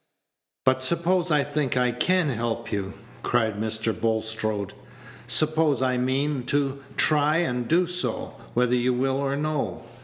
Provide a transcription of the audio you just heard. "But suppose I think I can help you?" cried Mr. Bulstrode. "Suppose I mean to try and do so, whether you will or no?